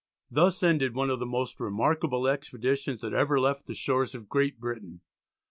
Thus ended one of the most remarkable expeditions that ever left the shores of Great Britain.